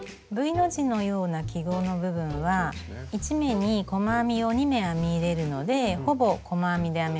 Ｖの字のような記号の部分は１目に細編みを２目編み入れるのでほぼ細編みで編めます。